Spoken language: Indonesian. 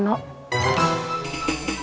tidak ada apa apa